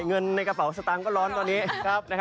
เงินในกระเป๋าสตางค์ก็ร้อนตอนนี้